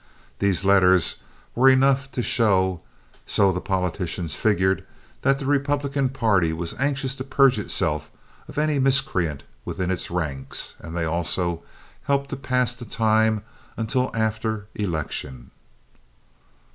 These letters were enough to show, so the politicians figured, that the Republican party was anxious to purge itself of any miscreant within its ranks, and they also helped to pass the time until after election.